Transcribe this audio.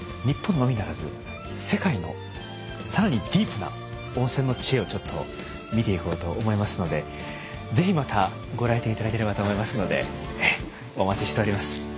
日本のみならず世界の更にディープな温泉の知恵をちょっと見ていこうと思いますのでぜひまたご来店頂ければと思いますのでお待ちしております。